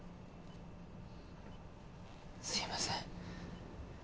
すいません。